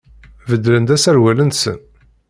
Beddlen-d aserwal-nsen?